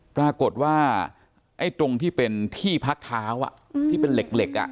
ปรากฏว่าไอ้ตรงที่เป็นที่พักเท้าที่เป็นเหล็ก